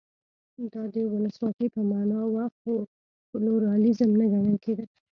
دا د ولسواکۍ په معنا و خو پلورالېزم نه ګڼل کېده.